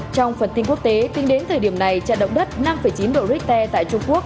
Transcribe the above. trong phần tin quốc tế tính đến thời điểm này trận động đất năm chín độ richter tại trung quốc